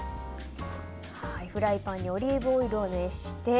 フライパンにオリーブオイルを熱して。